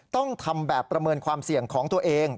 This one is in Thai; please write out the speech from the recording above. ต้องทำแบบประเมินความเสี่ยงของตัวเอง